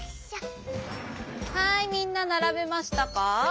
はいみんなならべましたか？